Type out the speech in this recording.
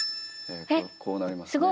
こうなりますね。